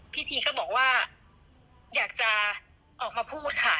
ทีก็บอกว่าอยากจะออกมาพูดค่ะ